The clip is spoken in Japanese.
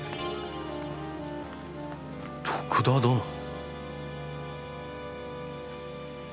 徳田殿に。